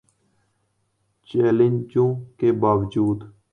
چیلنجوں کے باوجو